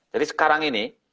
jadi sekarang ini